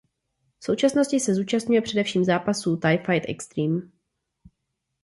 V současnosti se zúčastňuje především zápasů Thai Fight Extreme.